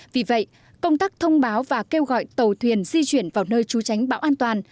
vì vậy công tác thông báo và kêu gọi tàu thuyền di chuyển vào nơi trú tránh bão an toàn